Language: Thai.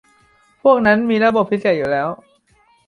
พวกนั้นมีระบบพิเศษอยู่แล้ว